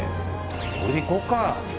これでいこうか。